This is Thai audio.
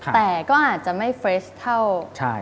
แต่ก็อาจจะไม่เฟรชเท่า